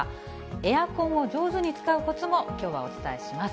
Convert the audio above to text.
エアコンを上手に使うこつも、きょうはお伝えします。